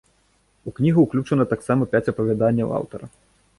У кнігу ўключана таксама пяць апавяданняў аўтара.